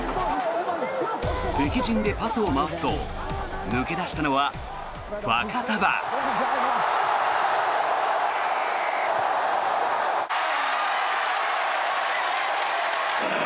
敵陣でパスを回すと抜け出したのはファカタヴァ。